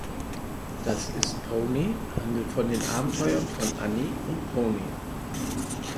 Das ist Pony handelt von den Abenteuern von Annie und Pony.